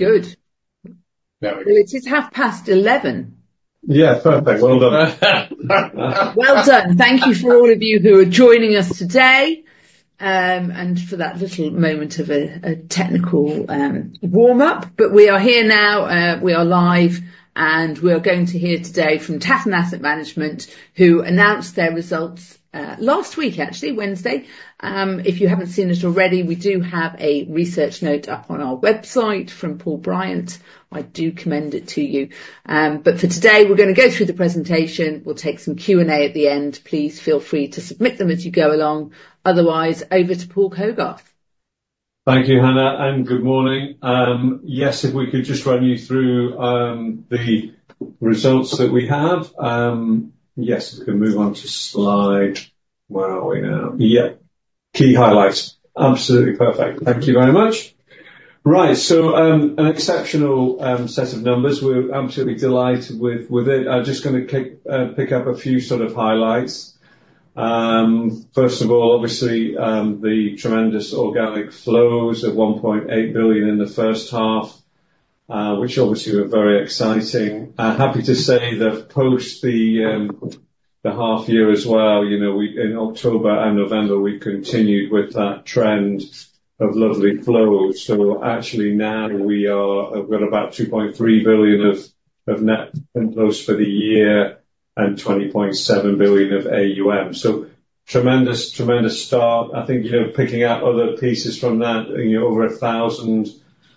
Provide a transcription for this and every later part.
Good. Very good. It is 11:30 A.M. Yeah, perfect. Well done. Well done. Thank you for all of you who are joining us today, and for that little moment of a technical warm-up. But we are here now, we are live, and we are going to hear today from Tatton Asset Management, who announced their results last week, actually, Wednesday. If you haven't seen it already, we do have a research note up on our website from Paul Bryant. I do commend it to you. But for today, we're gonna go through the presentation. We'll take some Q&A at the end. Please feel free to submit them as you go along. Otherwise, over to Paul Hogarth. Thank you, Hannah, and good morning. Yes, if we could just run you through the results that we have. Yes, we can move on to slide. Where are we now? Yeah. Key highlights. Absolutely perfect. Thank you very much. Right, so, an exceptional set of numbers. We're absolutely delighted with it. I'm just gonna pick up a few sort of highlights. First of all, obviously, the tremendous organic flows of 1.8 billion in the first half, which obviously were very exciting. Happy to say that post the half year as well, you know, we, in October and November, we continued with that trend of lovely flows. So actually now we are, we've got about 2.3 billion of net inflows for the year and 20.7 billion of AUM. So tremendous, tremendous start. I think, you know, picking out other pieces from that, you know, over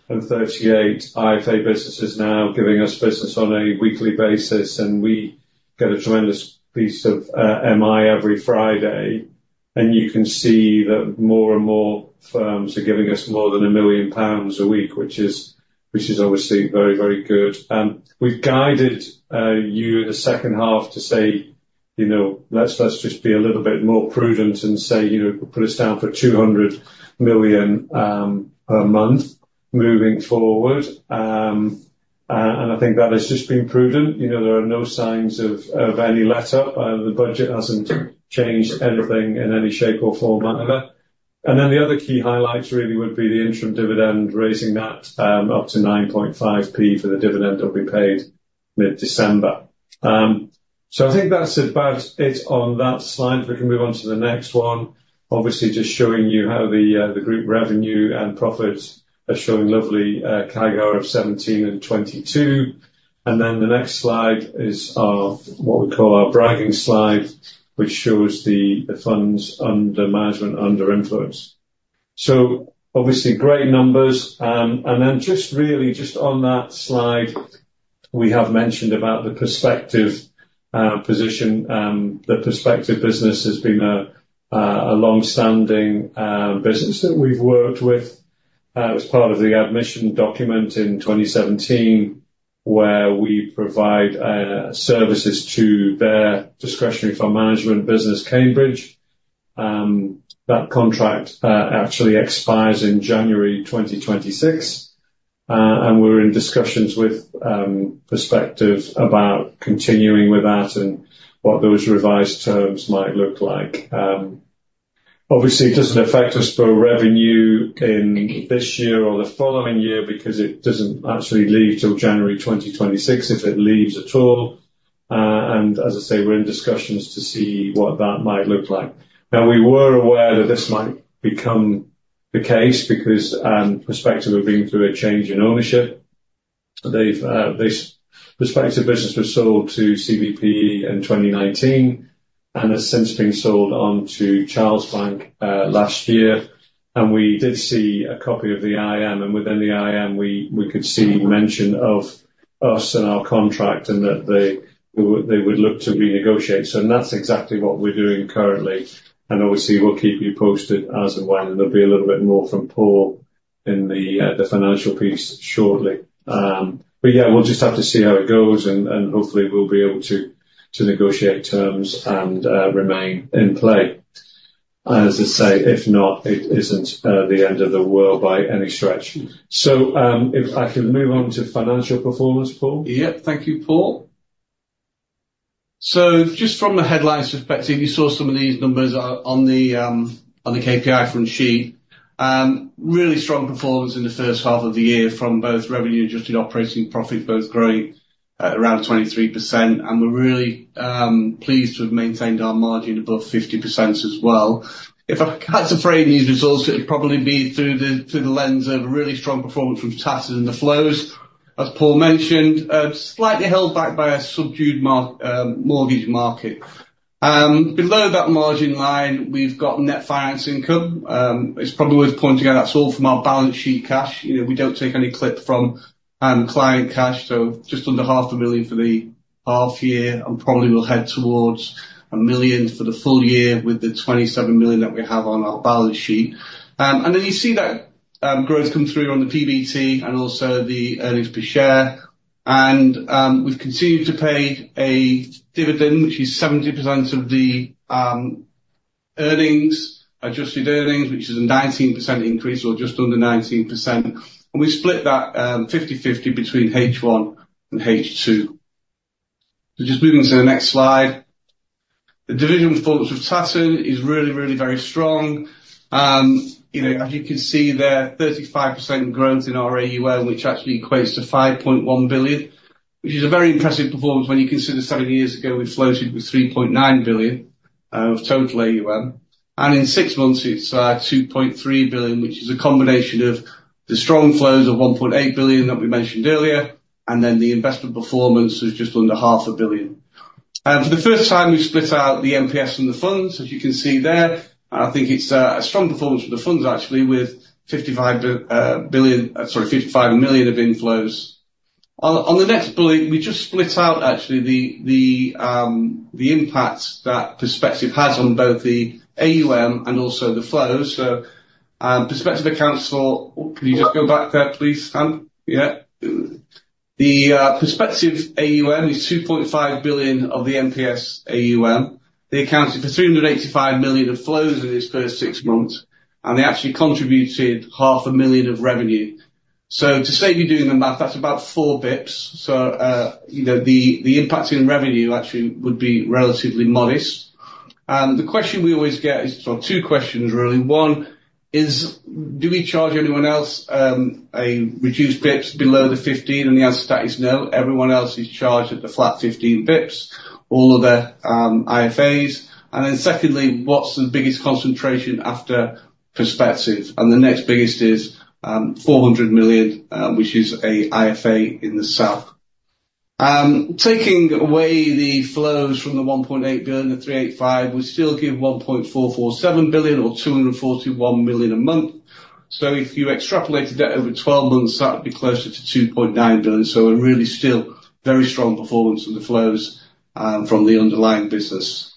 1,038 IFA businesses now giving us business on a weekly basis, and we get a tremendous piece of MI every Friday. You can see that more and more firms are giving us more than 1 million pounds a week, which is obviously very, very good. We've guided you in the second half to say, you know, let's just be a little bit more prudent and say, you know, put us down for 200 million per month moving forward. I think that has just been prudent. You know, there are no signs of any let-up. The budget hasn't changed anything in any shape or form either. Then the other key highlights really would be the interim dividend, raising that up to 9.5p for the dividend that'll be paid mid-December. So I think that's about it on that slide. We can move on to the next one. Obviously, just showing you how the group revenue and profits are showing lovely CAGR of 17 and 22. And then the next slide is our what we call our bragging slide, which shows the funds under management under influence. So obviously great numbers. And then just really just on that slide, we have mentioned about the Perspective position, the Perspective business has been a longstanding business that we've worked with. It was part of the admission document in 2017 where we provide services to their discretionary fund management business, Cambridge. That contract actually expires in January 2026. And we're in discussions with Perspective about continuing with that and what those revised terms might look like. Obviously it doesn't affect us for revenue in this year or the following year because it doesn't actually leave till January 2026 if it leaves at all. And as I say, we're in discussions to see what that might look like. Now, we were aware that this might become the case because Perspective have been through a change in ownership. They've, the Perspective business was sold to CBPE in 2019 and has since been sold onto Charlesbank last year. And we did see a copy of the IM, and within the IM, we, we could see mention of us and our contract and that they, they would, they would look to renegotiate. So that's exactly what we're doing currently. And obviously we'll keep you posted as to when, and there'll be a little bit more from Paul in the, the financial piece shortly. But yeah, we'll just have to see how it goes and hopefully we'll be able to negotiate terms and remain in play. And as I say, if not, it isn't the end of the world by any stretch. So, if I can move on to financial performance, Paul. Yep. Thank you, Paul. So just from the headlines perspective, you saw some of these numbers on the KPI sheet. Really strong performance in the first half of the year from both revenue and adjusted operating profit, both growing around 23%. And we're really pleased to have maintained our margin above 50% as well. If I had to frame these results, it'd probably be through the lens of really strong performance from Tatton and the flows. As Paul mentioned, slightly held back by a subdued mortgage market. Below that margin line, we've got net finance income. It's probably worth pointing out that's all from our balance sheet cash. You know, we don't take any clip from client cash. Just under 500,000 for the half year, and probably we'll head towards 1 million for the full year with the 27 million that we have on our balance sheet. And then you see that growth come through on the PBT and also the earnings per share. We've continued to pay a dividend, which is 70% of the earnings, adjusted earnings, which is a 19% increase or just under 19%. We split that 50/50 between H1 and H2. Just moving to the next slide. The diversification of Tatton is really, really very strong. You know, as you can see there, 35% growth in our AUM, which actually equates to 5.1 billion, which is a very impressive performance when you consider seven years ago we floated with 3.9 billion of total AUM. In six months, it's 2.3 billion, which is a combination of the strong flows of 1.8 billion that we mentioned earlier, and then the investment performance is just under 0.5 billion. For the first time, we split out the MPS and the funds, as you can see there. I think it's a strong performance for the funds actually with 55 billion, sorry, 55 million of inflows. On the next bullet, we just split out actually the impact that Perspective has on both the AUM and also the flows. So, Perspective accounts for, can you just go back there please, Hannah? Yeah. The Perspective AUM is 2.5 billion of the MPS AUM. They accounted for 385 million of flows in its first six months, and they actually contributed 500,000 of revenue. So to say you're doing the math, that's about four basis points. You know, the impact in revenue actually would be relatively modest. The question we always get is, or two questions really. One is, do we charge anyone else a reduced basis points below the 15? And the answer to that is no. Everyone else is charged at the flat 15 basis points, all other IFAs. And then secondly, what's the biggest concentration after Perspective? And the next biggest is 400 million, which is an IFA in the South. Taking away the flows from the 1.8 billion of 385, we still give 1.447 billion or 241 million a month. So if you extrapolated that over 12 months, that would be closer to 2.9 billion. So we're really still very strong performance on the flows from the underlying business.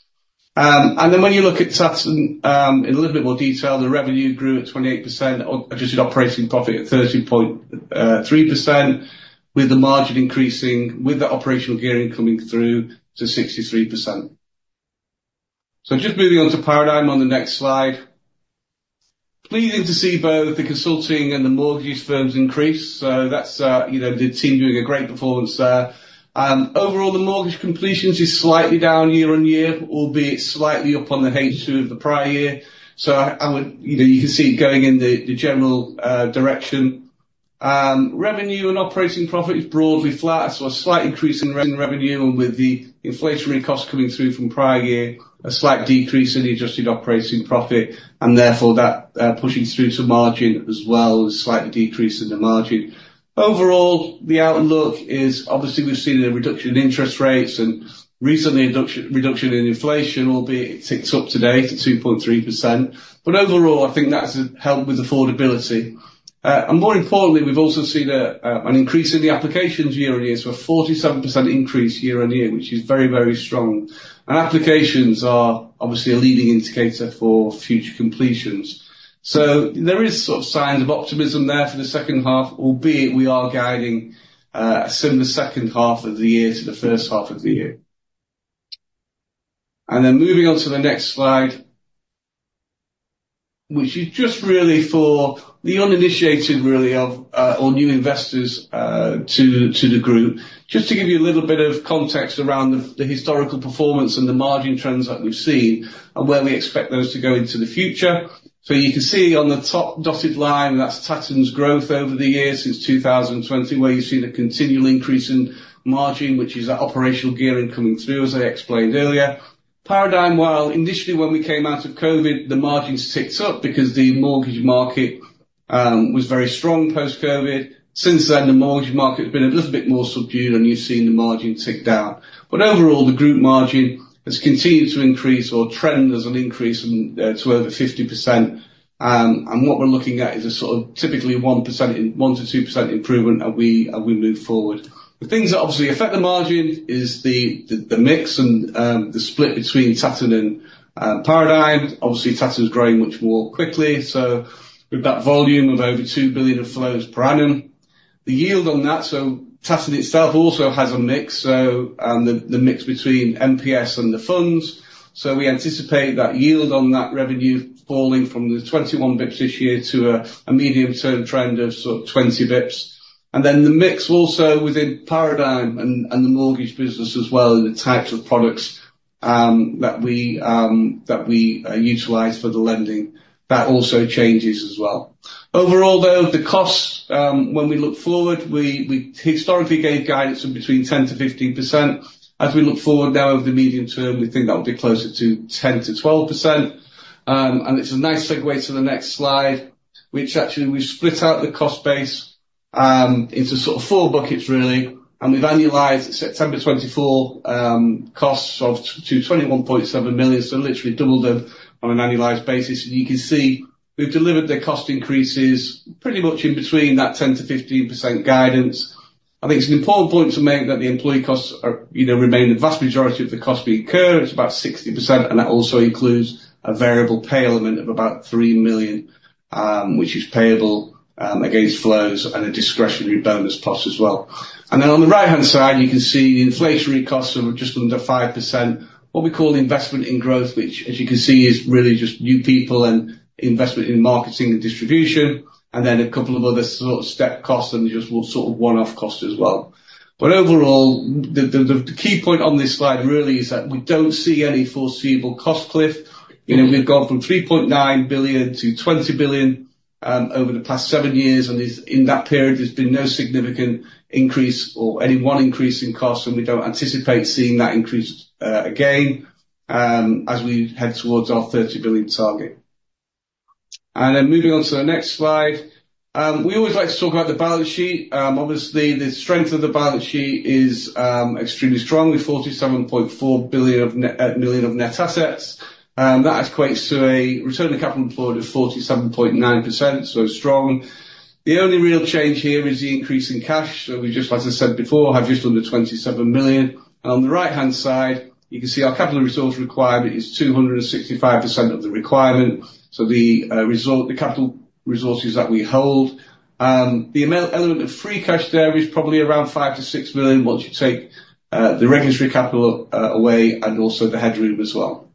And then when you look at Tatton, in a little bit more detail, the revenue grew at 28%, adjusted operating profit at 13.3%, with the margin increasing with the operational gearing coming through to 63%. So just moving on to Paradigm on the next slide. Pleasing to see both the consulting and the mortgage firms increase. So that's, you know, the team doing a great performance there. Overall, the mortgage completions is slightly down year on year, albeit slightly up on the H2 of the prior year. So I would, you know, you can see it going in the general direction. Revenue and operating profit is broadly flat. So a slight increase in revenue, and with the inflationary costs coming through from prior year, a slight decrease in the adjusted operating profit. And therefore that, pushing through to margin as well as slightly decrease in the margin. Overall, the outlook is obviously we've seen a reduction in interest rates and recently a reduction in inflation, albeit it ticks up today to 2.3%. But overall, I think that's helped with affordability. And more importantly, we've also seen an increase in the applications year on year to a 47% increase year on year, which is very, very strong. And applications are obviously a leading indicator for future completions. So there is sort of signs of optimism there for the second half, albeit we are guiding a similar second half of the year to the first half of the year. Moving on to the next slide, which is just really for the uninitiated, or new investors to the group, just to give you a little bit of context around the historical performance and the margin trends that we've seen and where we expect those to go into the future. So you can see on the top dotted line, that's Tatton's growth over the years since 2020, where you see the continual increase in margin, which is that operational gearing coming through, as I explained earlier. Paradigm, while initially when we came out of COVID, the margin ticks up because the mortgage market was very strong post-COVID. Since then, the mortgage market has been a little bit more subdued and you've seen the margin tick down. But overall, the group margin has continued to increase or trend as an increase to over 50%. And what we're looking at is a sort of typically 1% in 1%-2% improvement as we move forward. The things that obviously affect the margin is the mix and the split between Tatton and Paradigm. Obviously, Tatton's growing much more quickly. So with that volume of over 2 billion of flows per annum, the yield on that. So Tatton itself also has a mix. So the mix between MPS and the funds. So we anticipate that yield on that revenue falling from the 21 basis points this year to a medium term trend of sort of 20 basis points. And then the mix also within Paradigm and the mortgage business as well in the types of products that we utilize for the lending that also changes as well. Overall though, the costs, when we look forward, we historically gave guidance of between 10%-15%. As we look forward now over the medium term, we think that'll be closer to 10%-12%. And it's a nice segue to the next slide, which actually we've split out the cost base into sort of four buckets really. And we've annualized September 2024 costs to 21.7 million. So literally doubled them on an annualized basis. And you can see we've delivered the cost increases pretty much in between that 10%-15% guidance. I think it's an important point to make that the employee costs are, you know, remain the vast majority of the cost we incur. It's about 60%. And that also includes a variable pay element of about 3 million, which is payable against flows and a discretionary bonus plus as well. And then on the right hand side, you can see the inflationary costs are just under 5%. What we call investment in growth, which as you can see is really just new people and investment in marketing and distribution. And then a couple of other sort of step costs and just will sort of one-off costs as well. But overall, the key point on this slide really is that we don't see any foreseeable cost cliff. You know, we've gone from 3.9 billion-20 billion over the past seven years. And there's in that period, there's been no significant increase or any one increase in costs. And we don't anticipate seeing that increase again as we head towards our 30 billion target. And then moving on to the next slide, we always like to talk about the balance sheet. Obviously, the strength of the balance sheet is extremely strong with 47.4 billion of net assets. That equates to a return to capital employed of 47.9%. So strong. The only real change here is the increase in cash. So we just, as I said before, have just under 27 million. On the right-hand side, you can see our capital resources requirement is 265% of the requirement. So the capital resources that we hold, the amount element of free cash there is probably around five to six million once you take the regulatory capital away and also the headroom as well.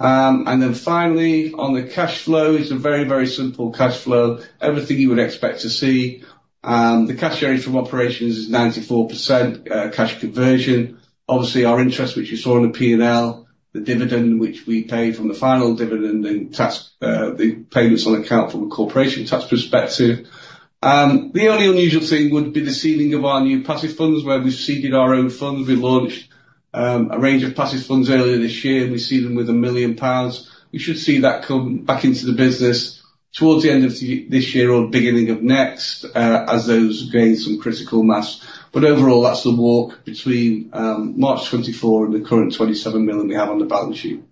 Then finally on the cash flow is a very, very simple cash flow. Everything you would expect to see. The cash generated from operations is 94% cash conversion. Obviously our interest, which you saw in the P&L, the dividend which we pay from the final dividend and tax, the payments on account from a corporation tax perspective. The only unusual thing would be the seeding of our new passive funds where we've seeded our own funds. We launched a range of passive funds earlier this year and we seeded them with 1 million pounds. We should see that come back into the business towards the end of this year or the beginning of next, as those gain some critical mass. But overall, that's the walk between March 2024 and the current 27 million we have on the balance sheet.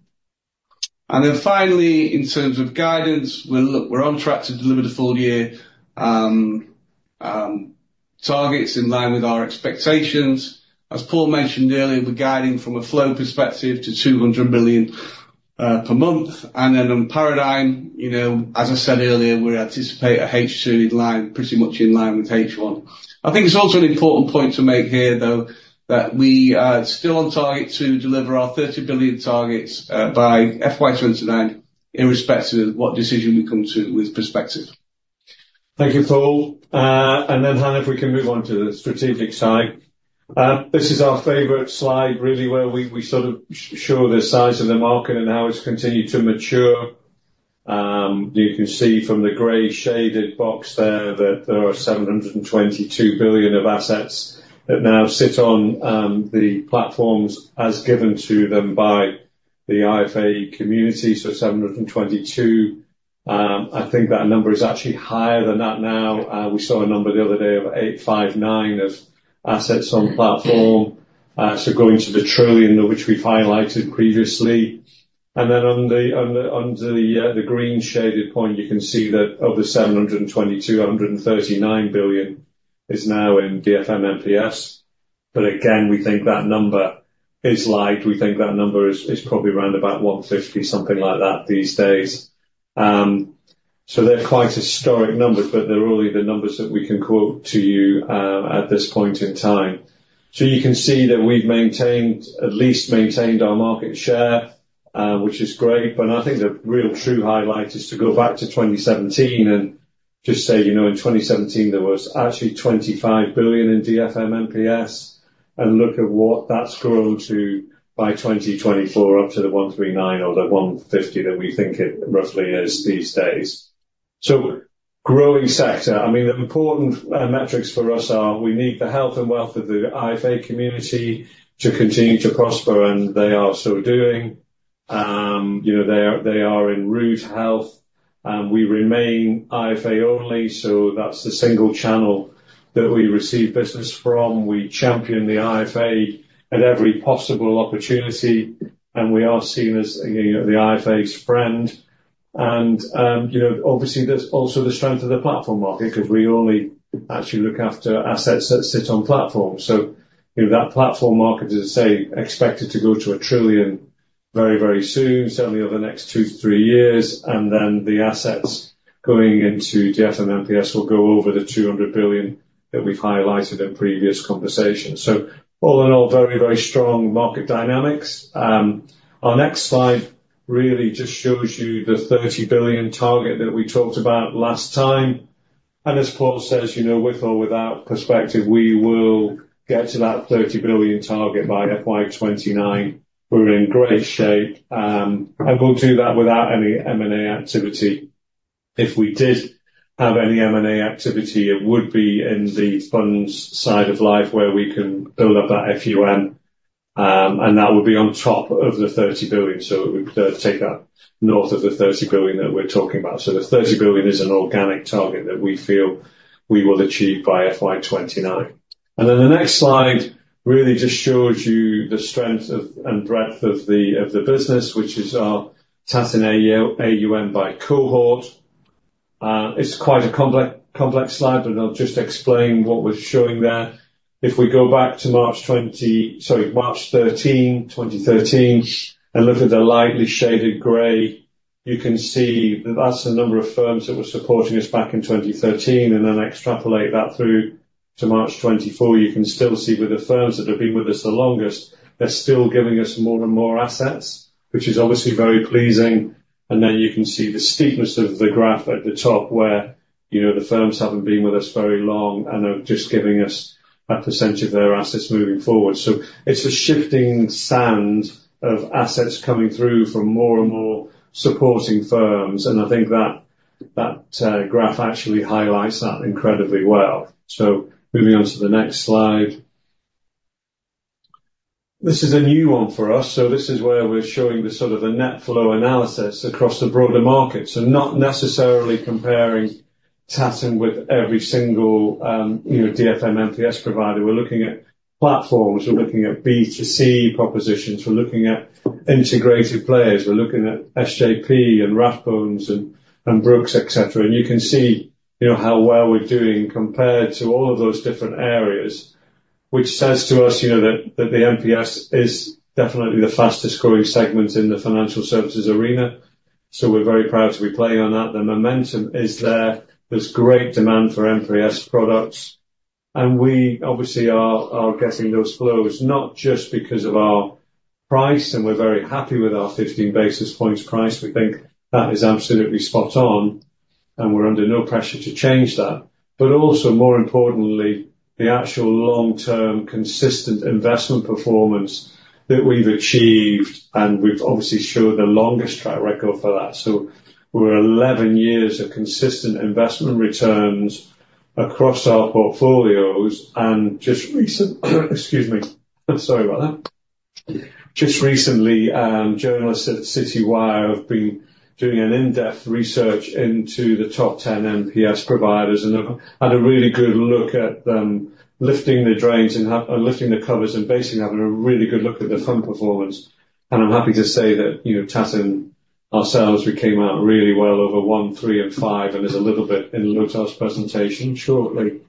And then finally, in terms of guidance, we're, we're on track to deliver the full year targets in line with our expectations. As Paul mentioned earlier, we're guiding from a flow perspective to 200 million per month. And then on Paradigm, you know, as I said earlier, we anticipate a H2 in line, pretty much in line with H1. I think it's also an important point to make here though, that we are still on target to deliver our 30 billion targets, by FY29 irrespective of what decision we come to with Perspective. Thank you, Paul. And then Hannah, if we can move on to the strategic side. This is our favorite slide really where we, we sort of show the size of the market and how it's continued to mature. You can see from the gray shaded box there that there are 722 billion of assets that now sit on, the platforms as given to them by the IFA community. So 722, I think that number is actually higher than that now. We saw a number the other day of 859 billion of assets on platform. So going to the trillion of which we've highlighted previously. And then on the under the green shaded point, you can see that of the 722 billion, 139 billion is now in DFM MPS. But again, we think that number is light. We think that number is probably around about 150 billion, something like that these days. So they're quite historic numbers, but they're really the numbers that we can quote to you at this point in time. So you can see that we've maintained, at least maintained our market share, which is great. But I think the real true highlight is to go back to 2017 and just say, you know, in 2017 there was actually 25 billion in DFM MPS and look at what that's grown to by 2024 up to the 139 billion or the 150 billion that we think it roughly is these days. So, growing sector. I mean, the important metrics for us are we need the health and wealth of the IFA community to continue to prosper. And they are so doing. You know, they are, they are in rude health. We remain IFA only. So that's the single channel that we receive business from. We champion the IFA at every possible opportunity. And we are seen as, you know, the IFA's friend. And, you know, obviously there's also the strength of the platform market 'cause we only actually look after assets that sit on platforms. So, you know, that platform market is, say, expected to go to 1 trillion very, very soon, certainly over the next two, three years. And then the assets going into DFM MPS will go over the 200 billion that we've highlighted in previous conversation. So all in all, very, very strong market dynamics. Our next slide really just shows you the 30 billion target that we talked about last time, and as Paul says, you know, with or without Perspective, we will get to that 30 billion target by FY29. We're in great shape, and we'll do that without any M&A activity. If we did have any M&A activity, it would be in the funds side of life where we can build up that FUM, and that would be on top of the 30 billion, so it would take that north of the 30 billion that we're talking about, so the 30 billion is an organic target that we feel we will achieve by FY29, and then the next slide really just shows you the strength and breadth of the business, which is our Tatton AUM by cohort. It's quite a complex, complex slide, but I'll just explain what we're showing there. If we go back to March 20, sorry, March 13, 2013, and look at the lightly shaded gray, you can see that that's the number of firms that were supporting us back in 2013. And then extrapolate that through to March 24, you can still see with the firms that have been with us the longest, they're still giving us more and more assets, which is obviously very pleasing. And then you can see the steepness of the graph at the top where, you know, the firms haven't been with us very long and are just giving us that percentage of their assets moving forward. So it's a shifting sand of assets coming through from more and more supporting firms. And I think that graph actually highlights that incredibly well. So moving on to the next slide. This is a new one for us. So this is where we're showing the sort of net flow analysis across the broader market. So not necessarily comparing Tatton with every single, you know, DFM MPS provider. We're looking at platforms. We're looking at B2C propositions. We're looking at integrated players. We're looking at SJP and Rathbones and Brooks, et cetera, and you can see, you know, how well we're doing compared to all of those different areas, which says to us, you know, that the MPS is definitely the fastest growing segment in the financial services arena. So we're very proud to be playing on that. The momentum is there. There's great demand for MPS products, and we obviously are getting those flows not just because of our price, and we're very happy with our 15 basis points price. We think that is absolutely spot on, and we're under no pressure to change that. But also more importantly, the actual long-term consistent investment performance that we've achieved, and we've obviously showed the longest track record for that. So we're 11 years of consistent investment returns across our portfolios. And just recently, excuse me, sorry about that, journalists at Citywire have been doing an in-depth research into the top 10 MPS providers and have had a really good look at them, lifting the lid and lifting the covers and basically having a really good look at the fund performance. And I'm happy to say that, you know, Tatton ourselves, we came out really well over one, three and five. And there's a little bit in Lothar's presentation shortly,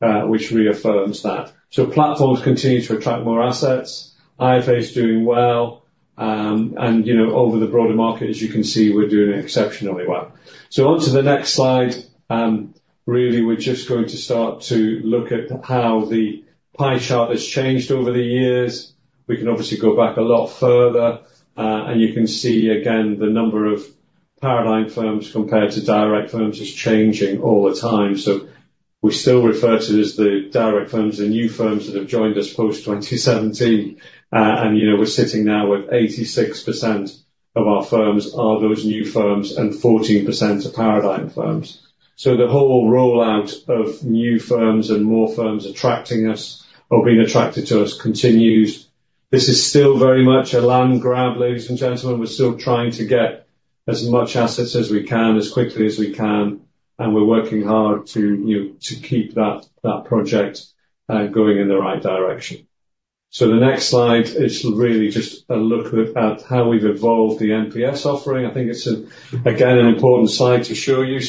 which reaffirms that. So platforms continue to attract more assets. IFAs doing well. And you know, over the broader market, as you can see, we're doing exceptionally well. So onto the next slide, really we're just going to start to look at how the pie chart has changed over the years. We can obviously go back a lot further. And you can see again, the number of Paradigm firms compared to direct firms is changing all the time. So we still refer to it as the direct firms, the new firms that have joined us post 2017. And you know, we're sitting now with 86% of our firms are those new firms and 14% of Paradigm firms. So the whole rollout of new firms and more firms attracting us or being attracted to us continues. This is still very much a land grab, ladies and gentlemen. We're still trying to get as much assets as we can, as quickly as we can. We're working hard to, you know, to keep that project going in the right direction. The next slide is really just a look at how we've evolved the MPS offering. I think it's a, again, an important slide to show you.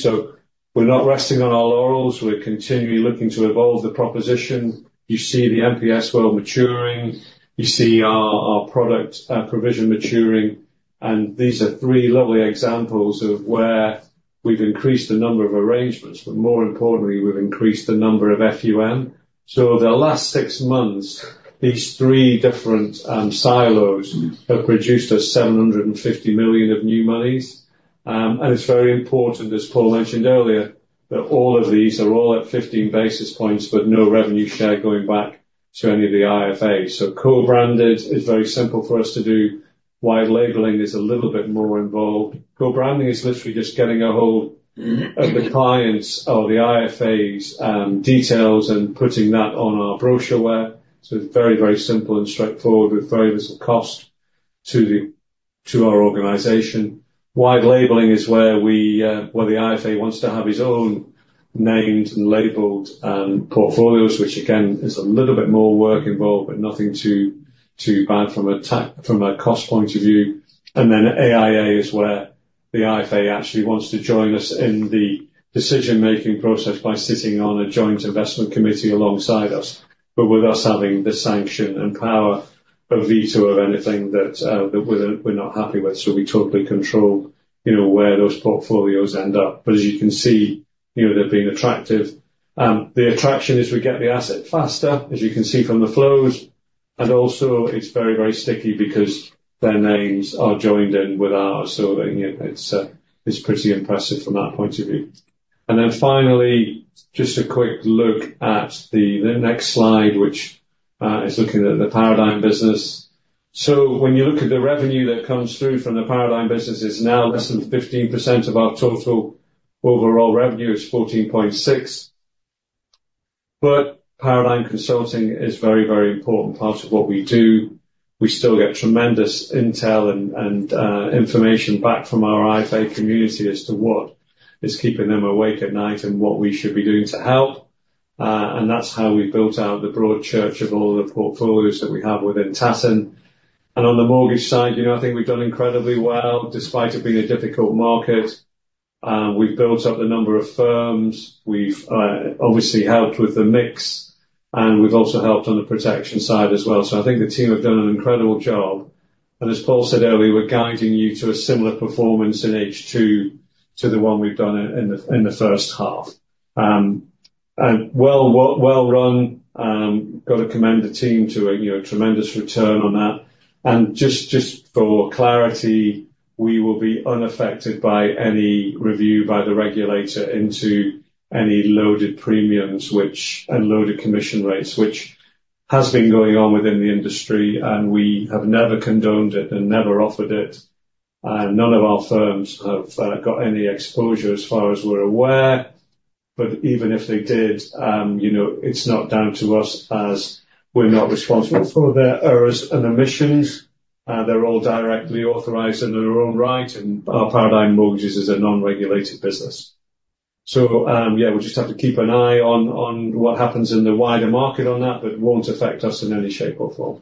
We're not resting on our laurels. We're continually looking to evolve the proposition. You see the MPS well maturing. You see our product provision maturing. These are three lovely examples of where we've increased the number of arrangements. But more importantly, we've increased the number of FUM. The last six months, these three different silos have produced us 750 million of new monies. It's very important, as Paul mentioned earlier, that all of these are at 15 basis points, but no revenue share going back to any of the IFAs. Co-branded is very simple for us to do. White labeling is a little bit more involved. Co-branding is literally just getting a hold of the clients or the IFAs, details and putting that on our brochureware. So it's very, very simple and straightforward with very little cost to the, to our organization. White labeling is where we, where the IFA wants to have its own named and labeled, portfolios, which again is a little bit more work involved, but nothing too, too bad from a tax, from a cost point of view. And then AIA is where the IFA actually wants to join us in the decision-making process by sitting on a joint investment committee alongside us, but with us having the sanction and power of veto of anything that, that we're, we're not happy with. So we totally control, you know, where those portfolios end up. But as you can see, you know, they've been attractive. The attraction is we get the asset faster, as you can see from the flows. And also it's very, very sticky because their names are joined in with ours. So then, you know, it's pretty impressive from that point of view. And then finally, just a quick look at the next slide, which is looking at the Paradigm business. So when you look at the revenue that comes through from the Paradigm business, it's now less than 15% of our total overall revenue. It's 14.6%. But Paradigm Consulting is a very, very important part of what we do. We still get tremendous intel and information back from our IFA community as to what is keeping them awake at night and what we should be doing to help. And that's how we built out the broad church of all the portfolios that we have within Tatton. On the mortgage side, you know, I think we've done incredibly well despite it being a difficult market. We've built up the number of firms. We've obviously helped with the mix. And we've also helped on the protection side as well. So I think the team have done an incredible job. And as Paul said earlier, we're guiding you to a similar performance in H2 to the one we've done in the first half. And well run, got a commendation to the team, you know, tremendous return on that. And just for clarity, we will be unaffected by any review by the regulator into any loaded premiums, which and loaded commission rates, which has been going on within the industry. And we have never condoned it and never offered it. None of our firms have got any exposure as far as we're aware. But even if they did, you know, it's not down to us as we're not responsible for their errors and omissions. They're all directly authorized in their own right. And our Paradigm Mortgages is a non-regulated business. So, yeah, we'll just have to keep an eye on what happens in the wider market on that, but won't affect us in any shape or form.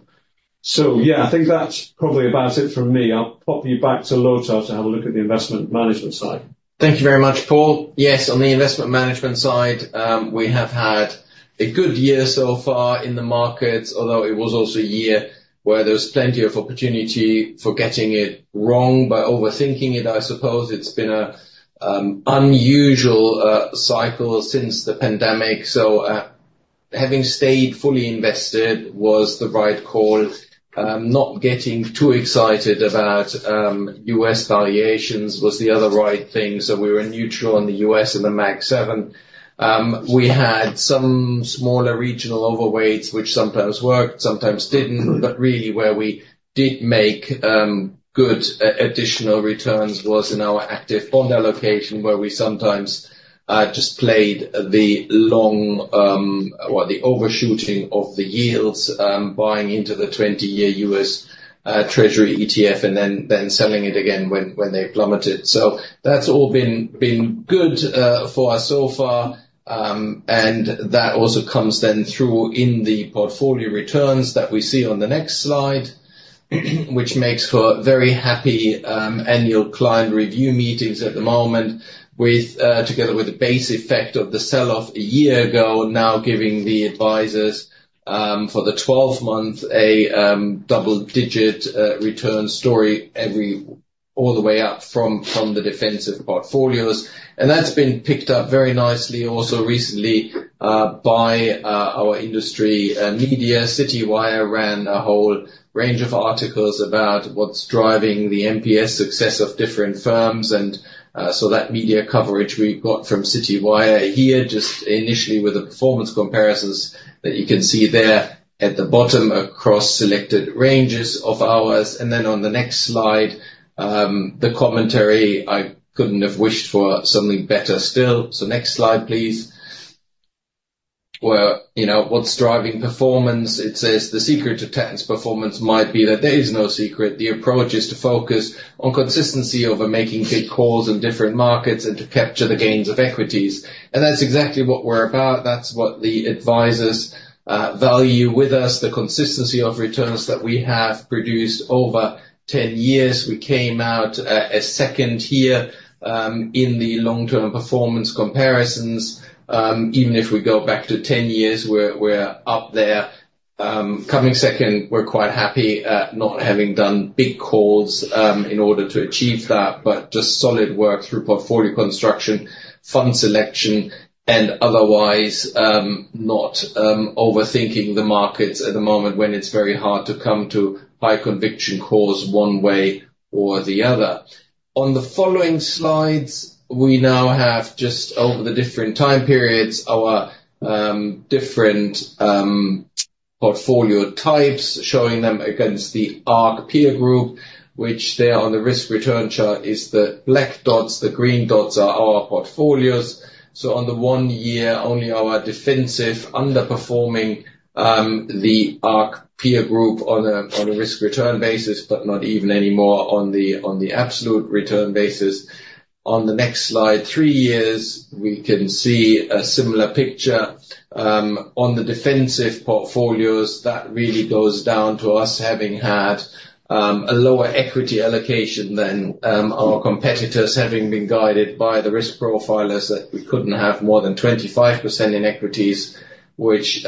So, yeah, I think that's probably about it from me. I'll pop you back to Lothar to have a look at the investment management side. Thank you very much, Paul. Yes, on the investment management side, we have had a good year so far in the markets, although it was also a year where there was plenty of opportunity for getting it wrong by overthinking it, I suppose. It's been an unusual cycle since the pandemic. So, having stayed fully invested was the right call. not getting too excited about U.S. valuations was the other right thing. So we were neutral in the U.S. and the Mag 7. We had some smaller regional overweights, which sometimes worked, sometimes didn't. But really where we did make good additional returns was in our active bond allocation, where we sometimes just played the long, or the overshooting of the yields, buying into the 20-year U.S. Treasury ETF and then selling it again when they plummeted. So that's all been good for us so far. and that also comes then through in the portfolio returns that we see on the next slide, which makes for very happy annual client review meetings at the moment, together with the base effect of the sell-off a year ago, now giving the advisors, for the 12 months, a double-digit return story every all the way up from the defensive portfolios. And that's been picked up very nicely also recently by our industry media. Citywire ran a whole range of articles about what's driving the MPS success of different firms. And so that media coverage we got from Citywire here just initially with the performance comparisons that you can see there at the bottom across selected ranges of ours. And then on the next slide, the commentary, I couldn't have wished for something better still. So next slide, please. Where, you know, what's driving performance? It says, "The secret to Tatton's performance might be that there is no secret. The approach is to focus on consistency over making big calls in different markets and to capture the gains of equities," and that's exactly what we're about. That's what the advisors value with us, the consistency of returns that we have produced over 10 years. We came out a second here in the long-term performance comparisons. Even if we go back to 10 years, we're up there. Coming second, we're quite happy, not having done big calls in order to achieve that, but just solid work through portfolio construction, fund selection, and otherwise, not overthinking the markets at the moment when it's very hard to come to high conviction calls one way or the other. On the following slides, we now have just over the different time periods our different portfolio types showing them against the ARC Peer Group, which there on the risk return chart is the black dots. The green dots are our portfolios. So on the one year, only our defensive underperforming the ARC Peer Group on a risk return basis, but not even anymore on the absolute return basis. On the next slide, three years, we can see a similar picture. On the defensive portfolios, that really goes down to us having had a lower equity allocation than our competitors having been guided by the risk profilers that we couldn't have more than 25% in equities, which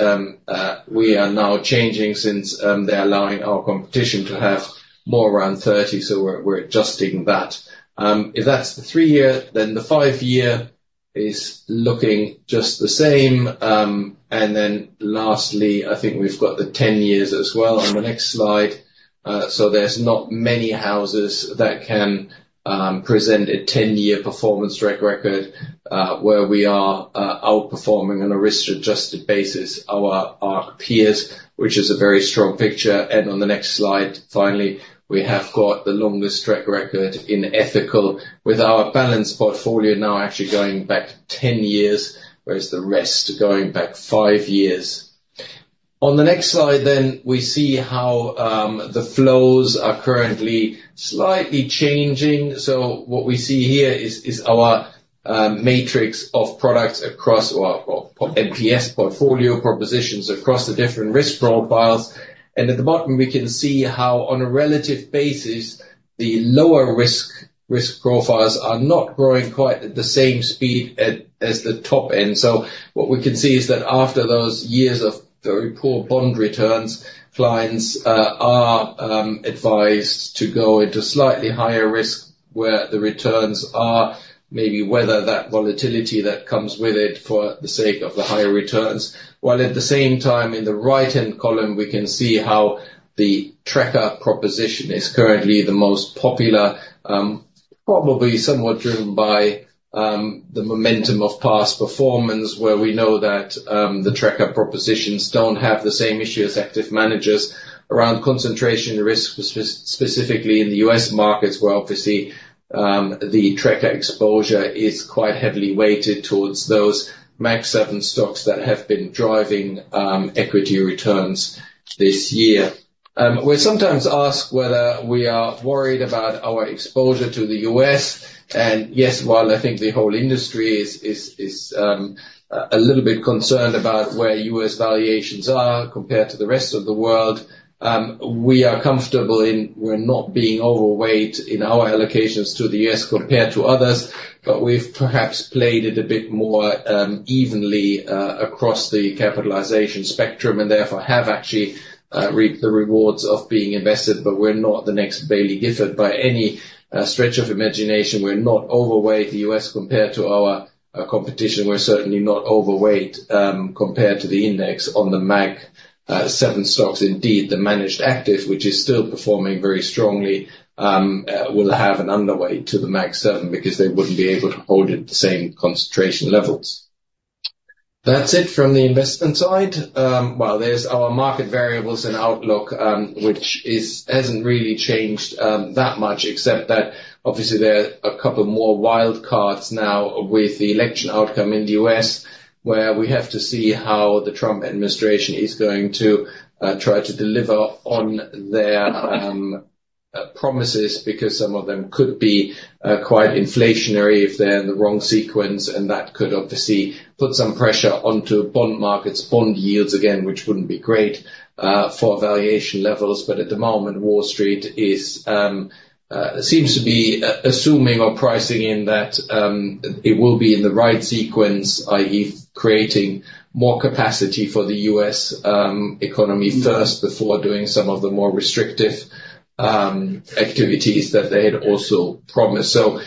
we are now changing since they're allowing our competition to have more around 30%. So we're adjusting that. If that's the three-year, then the five-year is looking just the same. And then lastly, I think we've got the 10 years as well on the next slide. So there's not many houses that can present a 10-year performance track record, where we are outperforming on a risk-adjusted basis our ARC peers, which is a very strong picture. And on the next slide, finally, we have got the longest track record in ethical with our balanced portfolio now actually going back 10 years, whereas the rest going back five years. On the next slide, then we see how the flows are currently slightly changing. So what we see here is our matrix of products across our MPS portfolio propositions across the different risk profiles. And at the bottom, we can see how on a relative basis, the lower risk risk profiles are not growing quite at the same speed as the top end. So what we can see is that after those years of very poor bond returns, clients are advised to go into slightly higher risk where the returns are maybe worth that volatility that comes with it for the sake of the higher returns. While at the same time, in the right-hand column, we can see how the tracker proposition is currently the most popular, probably somewhat driven by the momentum of past performance where we know that the tracker propositions do not have the same issues as active managers around concentration risk, specifically in the U.S. markets, where obviously the tracker exposure is quite heavily weighted towards those Mag 7 stocks that have been driving equity returns this year. We're sometimes asked whether we are worried about our exposure to the U.S., and yes, while I think the whole industry is a little bit concerned about where U.S. valuations are compared to the rest of the world, we are comfortable in that we're not being overweight in our allocations to the U.S. compared to others. But we've perhaps played it a bit more evenly across the capitalization spectrum and therefore have actually reaped the rewards of being invested. But we're not the next Baillie Gifford by any stretch of the imagination. We're not overweight the U.S. compared to our competition. We're certainly not overweight compared to the index on the Mag 7 stocks. Indeed, the managed active, which is still performing very strongly, will have an underweight to the Mag 7 because they wouldn't be able to hold it at the same concentration levels. That's it from the investment side. Well, there's our market variables and outlook, which hasn't really changed that much, except that obviously there are a couple more wild cards now with the election outcome in the U.S., where we have to see how the Trump administration is going to try to deliver on their promises because some of them could be quite inflationary if they're in the wrong sequence. And that could obviously put some pressure onto bond markets, bond yields again, which wouldn't be great for valuation levels. But at the moment, Wall Street seems to be assuming or pricing in that it will be in the right sequence, i.e., creating more capacity for the U.S. economy first before doing some of the more restrictive activities that they had also promised. So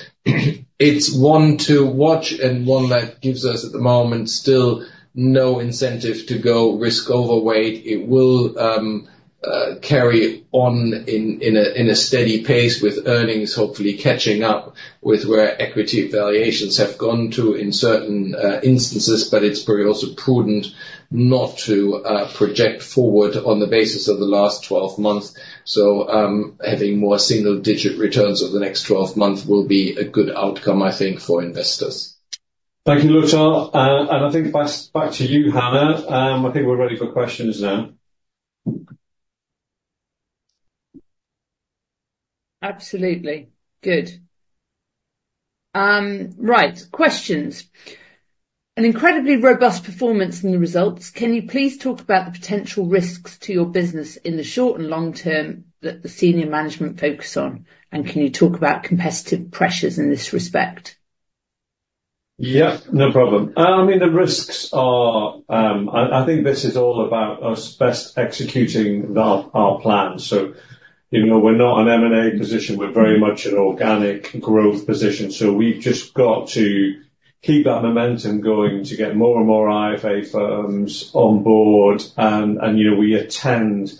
it's one to watch and one that gives us at the moment still no incentive to go risk overweight. It will carry on in a steady pace with earnings hopefully catching up with where equity valuations have gone to in certain instances. But it's probably also prudent not to project forward on the basis of the last 12 months. So, having more single-digit returns over the next 12 months will be a good outcome, I think, for investors. Thank you, Lothar. I think back to you, Hannah. I think we're ready for questions now. Absolutely. Good. Right. Questions. An incredibly robust performance in the results. Can you please talk about the potential risks to your business in the short and long term that the senior management focus on? And can you talk about competitive pressures in this respect? Yes, no problem. I mean, the risks are, I think this is all about us best executing our plan. So, you know, we're not an M&A position. We're very much an organic growth position. So we've just got to keep that momentum going to get more and more IFA firms on board. And, you know, we attend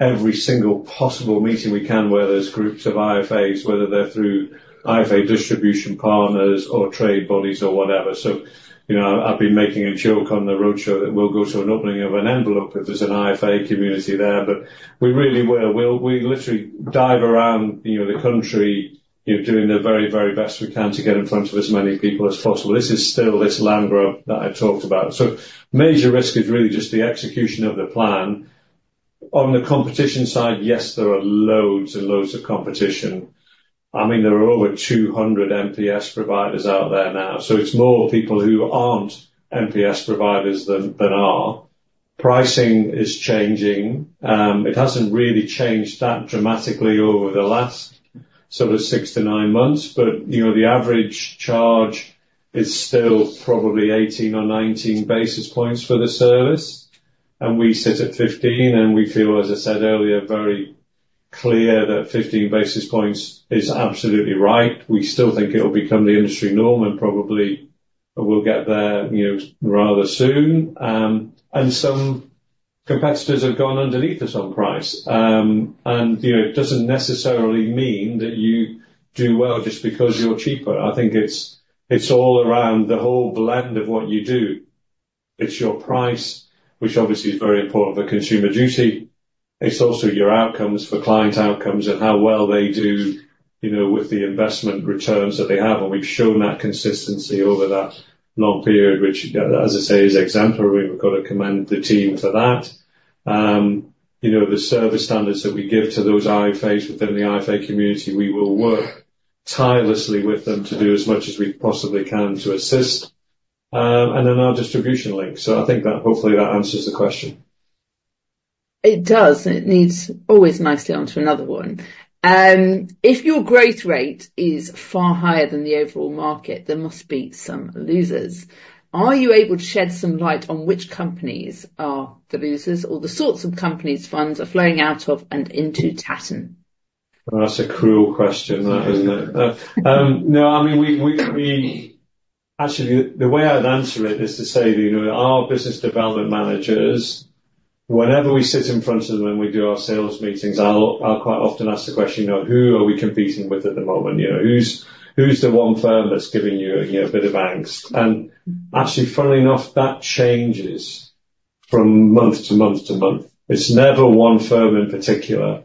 every single possible meeting we can where there's groups of IFAs, whether they're through IFA distribution partners or trade bodies or whatever. So, you know, I've been making a joke on the road show that we'll go to an opening of an envelope if there's an IFA community there. But we really will. We'll literally dive around, you know, the country, you know, doing the very, very best we can to get in front of as many people as possible. This is still this land grab that I talked about. So major risk is really just the execution of the plan. On the competition side, yes, there are loads and loads of competition. I mean, there are over 200 MPS providers out there now. So it's more people who aren't MPS providers than, than are. Pricing is changing. It hasn't really changed that dramatically over the last sort of six to nine months. But, you know, the average charge is still probably 18 or 19 basis points for the service. And we sit at 15. And we feel, as I said earlier, very clear that 15 basis points is absolutely right. We still think it'll become the industry norm and probably we'll get there, you know, rather soon. And some competitors have gone underneath us on price. And, you know, it doesn't necessarily mean that you do well just because you're cheaper. I think it's all around the whole blend of what you do. It's your price, which obviously is very important for Consumer Duty. It's also your outcomes for client outcomes and how well they do, you know, with the investment returns that they have. And we've shown that consistency over that long period, which, as I say, is exemplary. We've got to commend the team for that, you know, the service standards that we give to those IFAs within the IFA community. We will work tirelessly with them to do as much as we possibly can to assist, and then our distribution links. So I think that hopefully that answers the question. It does. It leads always nicely on to another one. If your growth rate is far higher than the overall market, there must be some losers. Are you able to shed some light on which companies are the losers or the sorts of companies funds are flowing out of and into Tatton? That's a cruel question, that, isn't it? No, I mean, we actually, the way I'd answer it is to say, you know, our business development managers, whenever we sit in front of them and we do our sales meetings, I'll quite often ask the question, you know, who are we competing with at the moment? You know, who's the one firm that's giving you, you know, a bit of angst? And actually, funnily enough, that changes from month to month. It's never one firm in particular.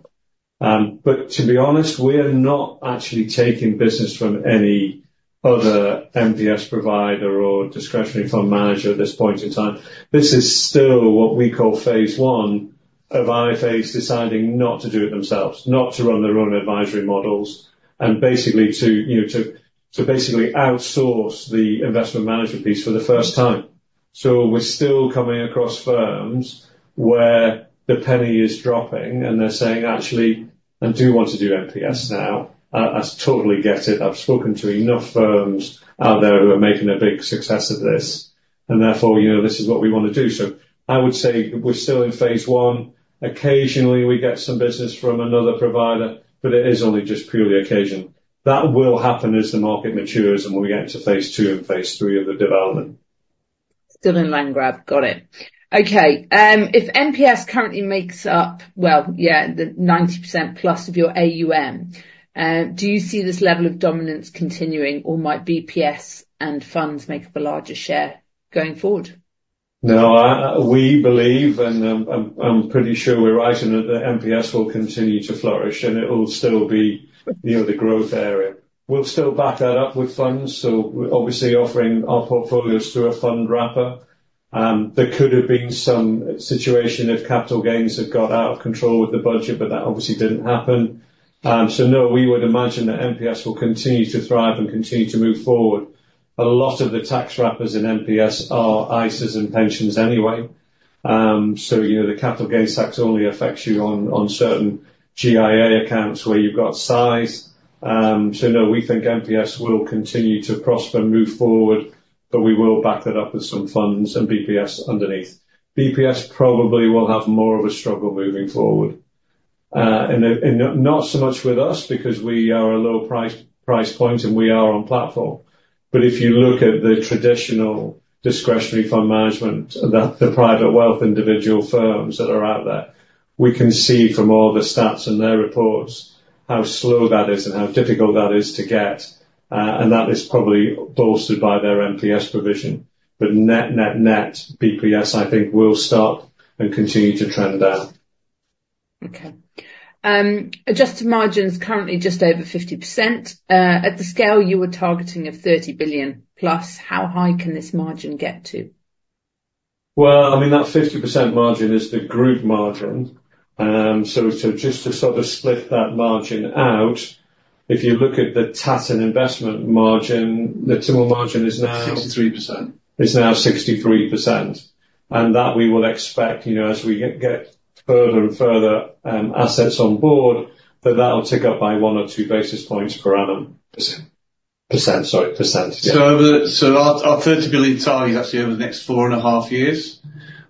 But to be honest, we are not actually taking business from any other MPS provider or discretionary fund manager at this point in time. This is still what we call phase one of IFAs deciding not to do it themselves, not to run their own advisory models, and basically, you know, to outsource the investment management piece for the first time. So we're still coming across firms where the penny is dropping and they're saying, actually, I do want to do MPS now. I totally get it. I've spoken to enough firms out there who are making a big success of this. And therefore, you know, this is what we want to do. So I would say we're still in phase one. Occasionally we get some business from another provider, but it is only just purely occasional. That will happen as the market matures and we get to phase two and phase three of the development. Still in land grab. Got it. Okay. If MPS currently makes up, well, yeah, the 90% plus of your AUM, do you see this level of dominance continuing or might BPS and funds make up a larger share going forward? No, we believe, and I'm pretty sure we're right in that the MPS will continue to flourish and it will still be, you know, the growth area. We'll still back that up with funds. So we're obviously offering our portfolios through a fund wrapper. There could have been some situation if capital gains had got out of control with the budget, but that obviously didn't happen. So no, we would imagine that MPS will continue to thrive and continue to move forward. A lot of the tax wrappers in MPS are ISAs and pensions anyway. So, you know, the capital gains tax only affects you on certain GIA accounts where you've got size. So no, we think MPS will continue to prosper, move forward, but we will back that up with some funds and BPS underneath. BPS probably will have more of a struggle moving forward and not so much with us because we are a low price, price point and we are on platform. But if you look at the traditional discretionary fund management, that the private wealth individual firms that are out there, we can see from all the stats and their reports how slow that is and how difficult that is to get, and that is probably bolstered by their MPS provision. But net, net, net BPS, I think will stop and continue to trend down. Okay. Adjusted margins currently just over 50%. At the scale you were targeting of 30+ billion, how high can this margin get to? Well, I mean, that 50% margin is the group margin. Just to sort of split that margin out, if you look at the Tatton investment margin, the TIM margin is now 63%. And we will expect, you know, as we get further and further assets on board, that that'll tick up by one or two basis points per annum. So our 30 billion target is actually over the next four and a half years.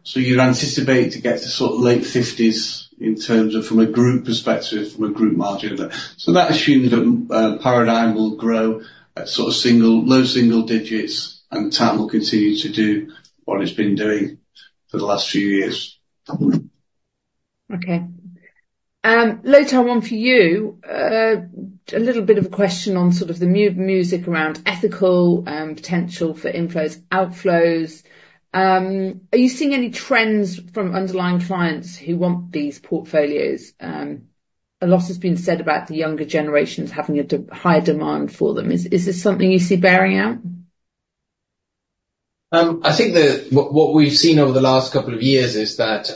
So you'd anticipate to get to sort of late 50s in terms of from a group perspective, from a group margin there. So that assumes that Paradigm will grow at sort of low single digits and Tatton will continue to do what it's been doing for the last few years. Okay. Lothar, one for you. A little bit of a question on sort of the noise around ethical, potential for inflows, outflows. Are you seeing any trends from underlying clients who want these portfolios? A lot has been said about the younger generations having a higher demand for them. Is this something you see bearing out? I think what we've seen over the last couple of years is that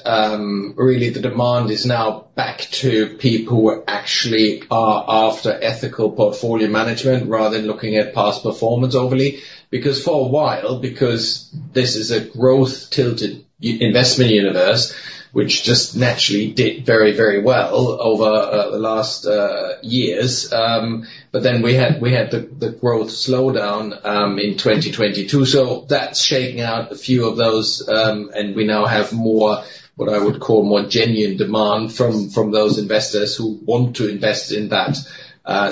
really the demand is now back to people who actually are after ethical portfolio management rather than looking at past performance overly. Because for a while, because this is a growth tilted investment universe, which just naturally did very, very well over the last years, but then we had the growth slowdown in 2022. That's shaking out a few of those, and we now have more, what I would call, genuine demand from those investors who want to invest in that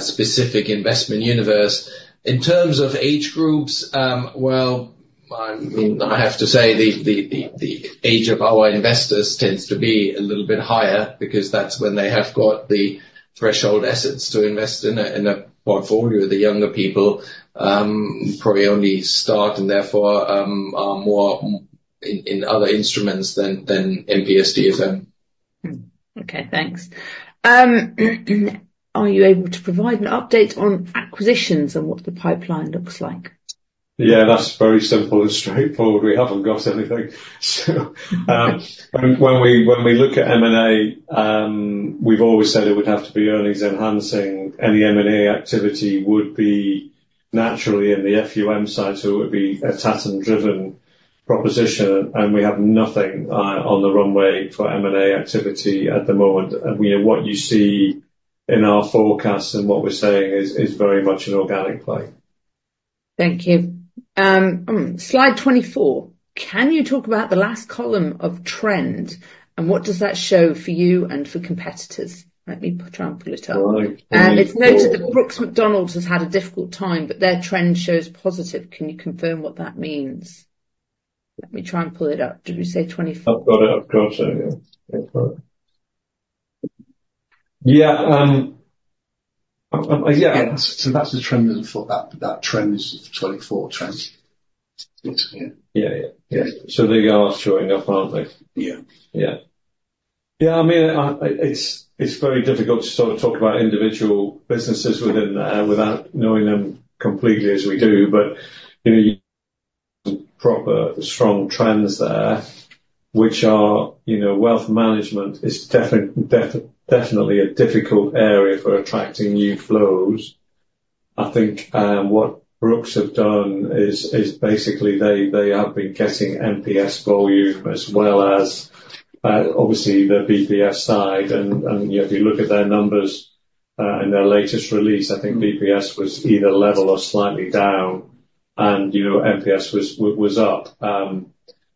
specific investment universe. In terms of age groups, well, I mean, I have to say the age of our investors tends to be a little bit higher because that's when they have got the threshold assets to invest in a portfolio. The younger people probably only start and therefore are more in other instruments than MPSDFM. Okay, thanks. Are you able to provide an update on acquisitions and what the pipeline looks like? Yeah, that's very simple and straightforward. We haven't got anything. So when we look at M&A, we've always said it would have to be earnings enhancing. Any M&A activity would be naturally in the FUM side. So it would be a Tatton driven proposition. And we have nothing on the runway for M&A activity at the moment. You know, what you see in our forecasts and what we're saying is very much an organic play. Thank you. Slide 24. Can you talk about the last column of trend and what does that show for you and for competitors? Let me try and pull it up. And it's noted that Brooks Macdonald has had a difficult time, but their trend shows positive. Can you confirm what that means? Let me try and pull it up. Did we say 24? I've got it. Yeah. So that's the trend for that, that trend is 24 trend. Yeah. So they are showing up, aren't they? Yeah. I mean, it's very difficult to sort of talk about individual businesses within, without knowing them completely as we do. You know, there are proper strong trends there, which are, you know, wealth management is definitely, definitely a difficult area for attracting new flows. I think what Brooks have done is basically they have been getting MPS volume as well as, obviously, the BPS side. And you know, if you look at their numbers in their latest release, I think BPS was either level or slightly down. And you know, MPS was up.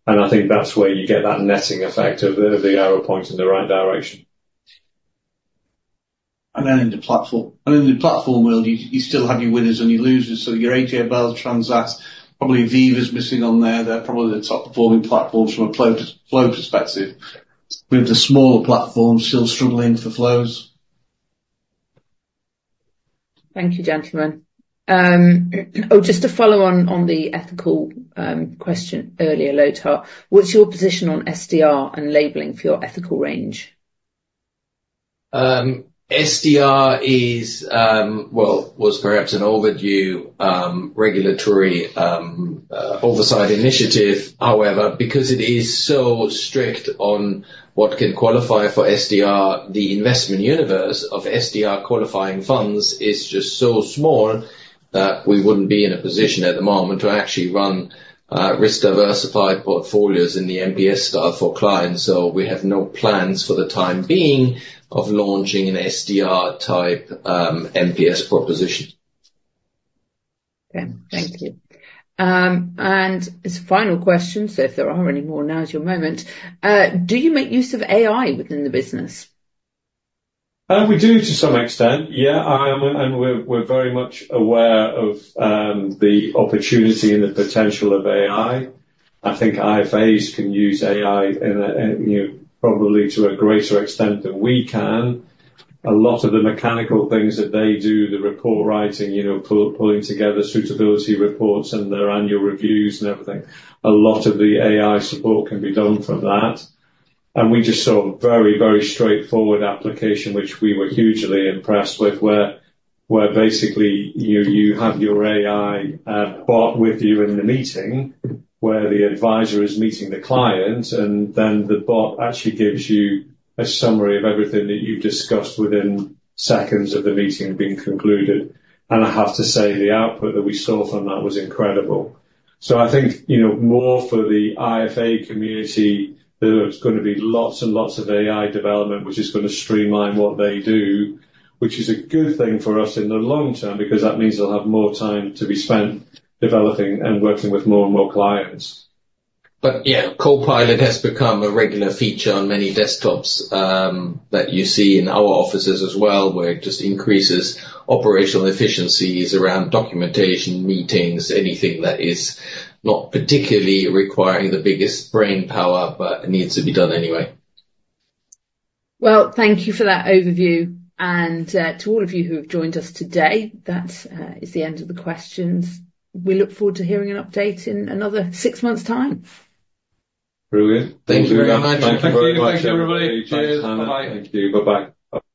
And I think that's where you get that netting effect of the arrow points in the right direction. And then in the platform world, you still have your winners and your losers. So your AJ Bell, Transact, probably Aviva's missing on there. They're probably the top performing platforms from a flow perspective. We have the smaller platforms still struggling for flows. Thank you, gentlemen. Oh, just to follow on the ethical question earlier, Lothar, what's your position on SDR and labeling for your ethical range? SDR is, well, perhaps an overdue regulatory oversight initiative. However, because it is so strict on what can qualify for SDR, the investment universe of SDR qualifying funds is just so small that we wouldn't be in a position at the moment to actually run risk diversified portfolios in the MPS style for clients. So we have no plans for the time being of launching an SDR type MPS proposition. Okay. Thank you. And as a final question, so if there are any more now, it's your moment. Do you make use of AI within the business? We do to some extent. Yeah. And we're very much aware of the opportunity and the potential of AI. I think IFAs can use AI in a, you know, probably to a greater extent than we can. A lot of the mechanical things that they do, the report writing, you know, pulling together suitability reports and their annual reviews and everything, a lot of the AI support can be done from that. And we just saw a very, very straightforward application, which we were hugely impressed with, where basically, you know, you have your AI bot with you in the meeting where the advisor is meeting the client, and then the bot actually gives you a summary of everything that you've discussed within seconds of the meeting being concluded. And I have to say the output that we saw from that was incredible. So I think, you know, more for the IFA community, there's going to be lots and lots of AI development, which is going to streamline what they do, which is a good thing for us in the long term because that means they'll have more time to be spent developing and working with more and more clients. But yeah, Copilot has become a regular feature on many desktops that you see in our offices as well, where it just increases operational efficiencies around documentation, meetings, anything that is not particularly requiring the biggest brain power, but needs to be done anyway. Well, thank you for that overview. And to all of you who have joined us today, that is the end of the questions. We look forward to hearing an update in another six months' time. Brilliant. Thank you very much. Thank you very much, everybody. Cheers. Bye-bye. Thank you. Bye-bye.